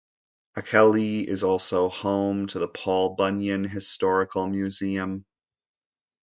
Akeley is also home to the Paul Bunyan Historical Museum.